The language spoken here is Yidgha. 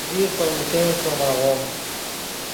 اوزیر پے موݰین ݰوم آغوم